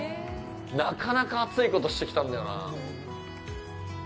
なかなか熱いことしてきたんだよな。